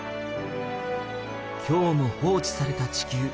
今日も放置された地球。